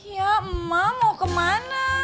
ya emak mau kemana